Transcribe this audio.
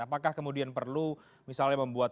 apakah kemudian perlu misalnya membuat